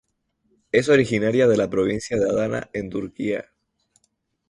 Es originaria de la provincia de Adana en Turquía.